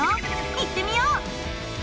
行ってみよう！